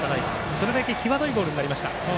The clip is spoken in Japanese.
それだけ際どいボールになりました。